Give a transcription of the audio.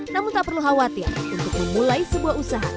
namun tak perlu khawatir untuk memulai sebuah usaha